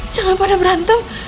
jangan pada berantem